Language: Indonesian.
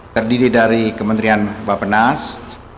terdiri dari kementerian bapak penas